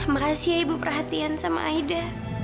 makasih ya ibu perhatian sama aida